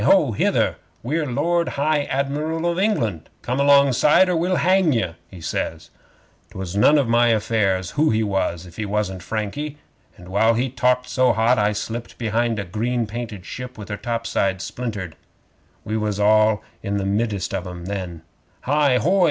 Ho! Hither! We're Lord High Admiral of England! Come alongside, or we'll hang ye," he says. ''Twas none of my affairs who he was if he wasn't Frankie, and while he talked so hot I slipped behind a green painted ship with her top sides splintered. We was all in the middest of 'em then. '"Hi! Hoi!"